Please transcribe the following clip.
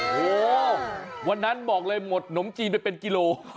โอ้โหวันนั้นบอกเลยหมดหนมจีนไปเป็นกิโล